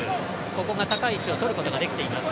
ここが高い位置をとることができています。